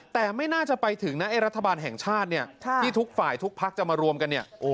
แต่ไม่น่าจะไปถึงรัฐบาลแห่งชาติที่ทุกฝ่ายทุกภักดิ์จะมารวมกัน